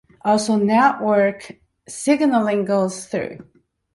Also network signaling goes through.